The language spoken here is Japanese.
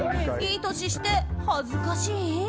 いい年して恥ずかしい？